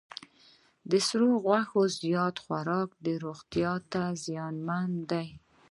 د سور غوښې زیات خوراک روغتیا ته زیانمن دی.